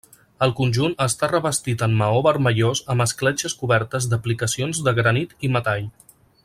El conjunt està revestit en maó vermellós amb escletxes cobertes d'aplicacions de granit i metall.